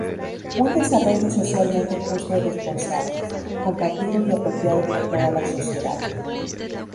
Un desarrollo socialmente justo y responsable, compartido y apropiado por toda la sociedad.